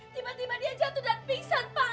tiba tiba dia jatuh dan bayan pak